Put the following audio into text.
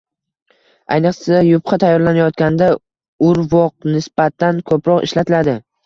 Ayniqsa, yupqa tayyorlanayotganda urvoqnisbatan ko`proq ishlatiladi